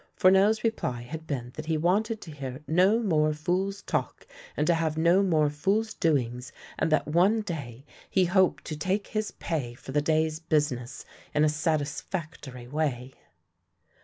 Fournel's reply had been that he wanted to hear no more fool's talk and to have no more fool's doings, and that one day he hoped to take his pay for the day's busi ness in a satisfactory way.